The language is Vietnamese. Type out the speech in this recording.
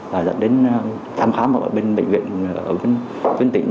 và dẫn đến thăm khám ở bên bệnh viện ở tuyến tỉnh